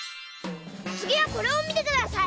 つぎはこれをみてください。